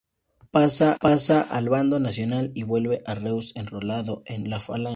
Pasa al bando nacional y vuelve a Reus enrolado en la Falange.